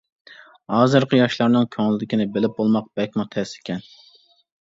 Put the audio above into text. ھازىرقى ياشلارنىڭ كۆڭلىدىكىنى بىلىپ بولماق بەكمۇ تەس ئىكەن.